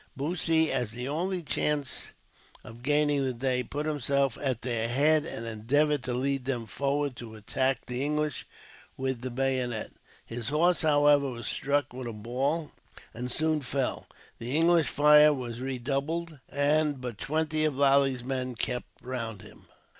Bussy, as the only chance of gaining the day, put himself at their head, and endeavoured to lead them forward to attack the English with the bayonet. His horse, however, was struck with a ball and soon fell; the English fire was redoubled, and but twenty of Lally's men kept round him.